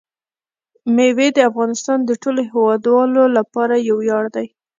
مېوې د افغانستان د ټولو هیوادوالو لپاره یو ویاړ دی.